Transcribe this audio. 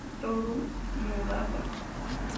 Toru Murata